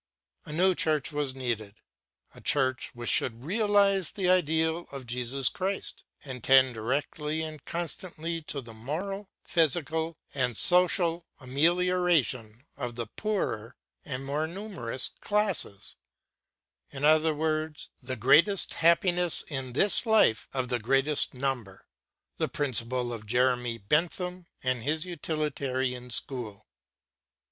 A new church was needed; a church which should realize the ideal of Jesus Christ, and tend directly and constantly to the moral, physical, and social amelioration of the poorer and more numerous classes, in other words, the greatest happiness in this life of the greatest number, the principle of Jeremy Bentham and his Utilitarian school.